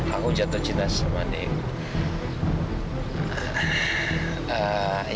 aku jatuh cinta sama dia